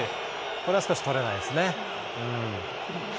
これは少し取れないですね。